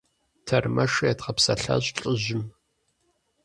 Тэрмэшыр едгъэпсэлъащ лӀыжьым.